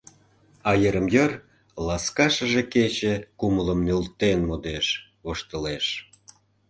А йырым-йыр ласка шыже кече кумылым нӧлтен модеш, воштылеш.